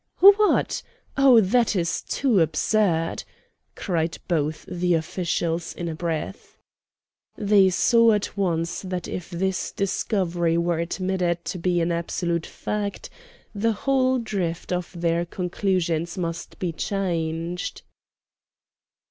"What! Oh, that is too absurd!" cried both the officials in a breath. They saw at once that if this discovery were admitted to be an absolute fact, the whole drift of their conclusions must be changed.